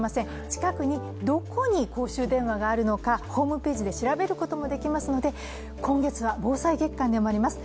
近くにどこに公衆電話があるのかホームページで調べることもできますので今月は防災月間でもあります。